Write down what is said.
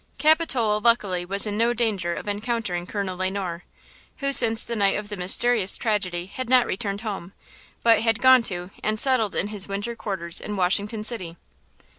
Capitola luckily was in no danger of encountering Colonel Le Noir, who, since the night of the mysterious tragedy, had not returned home, but had gone to and settled in his winter quarters in Washington city.